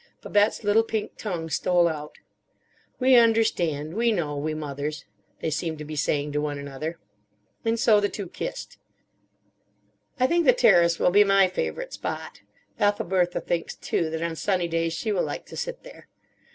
Babette's little pink tongue stole out. "We understand, we know—we Mothers," they seemed to be saying to one another. And so the two kissed. I think the terrace will be my favourite spot. Ethelbertha thinks, too, that on sunny days she will like to sit there.